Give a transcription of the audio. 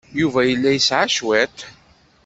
Yuba yella yesɛa cwiṭ.